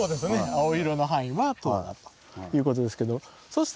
青色の範囲は塔だということですけどそしたら。